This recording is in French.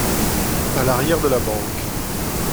À l’arrière de la banque.